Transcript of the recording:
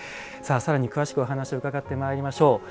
さらに詳しくお話を伺っていきましょう。